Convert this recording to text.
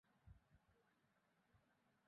আজ শুভদিনে চোখের জল মোছো।